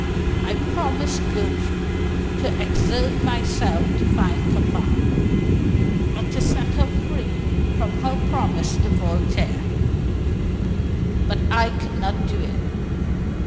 I promised Gertrude to exert myself to find Kaffar, to set her free from her promise to Voltaire; but I could not do it.